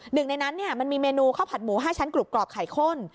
หนึ่งในนั้นมันมีเมนูข้าวผัดหมู๕ชั้นกรุบกรอบไข่ข้น